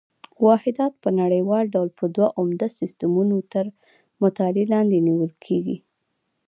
واحدات په نړیوال ډول په دوه عمده سیسټمونو تر مطالعې لاندې نیول کېږي.